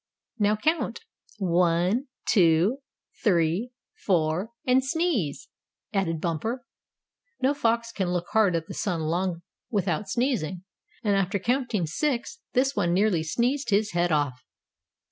"Now count one, two, three, four, and sneeze," added Bumper. No fox can look hard at the sun long without sneezing, and after counting six this one nearly sneezed his head off.